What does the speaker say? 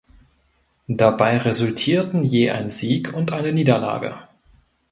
Dabei resultierten je ein Sieg und eine Niederlage.